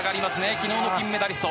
昨日の金メダリスト。